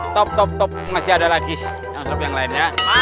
top top top masih ada lagi yang lainnya